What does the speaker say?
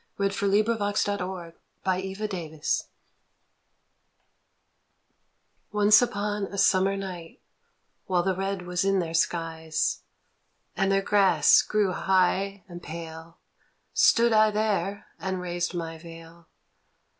15 16 OUR LADY OF THE IRISH HILLS " Once upon a summer night, While the red was in their skies, And their grass grew high and pale, Stood I there and raised my veil